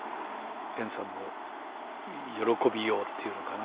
健さんの喜びようっていうのかな。